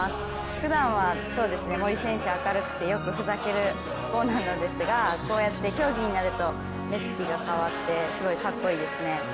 ふだんは森選手、明るくてよくふざける子なのですがこうやって競技になると目つきが変わってすごいかっこいいですね。